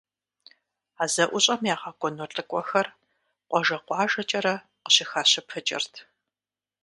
А зэӀущӀэм ягъэкӀуэну лӀыкӀуэхэр къуажэ-къуажэкӀэрэ къыщыхащыпыкӀырт.